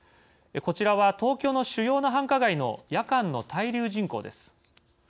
こちらは、東京の主要な繁華街の夜間の滞留人口です。